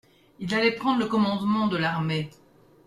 Il allait prendre le commandement de l'armée.